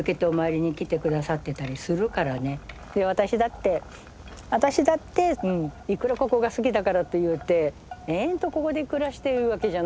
私だって私だっていくらここが好きだからと言うて延々とここで暮らしているわけじゃない。